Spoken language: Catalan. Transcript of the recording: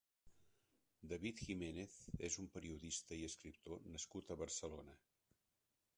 David Jiménez és un periodista i escriptor nascut a Barcelona.